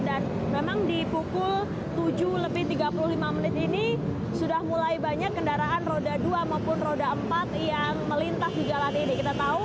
dan memang di pukul tujuh lebih tiga puluh lima menit ini sudah mulai banyak kendaraan roda dua maupun roda empat yang melintas di jalan ini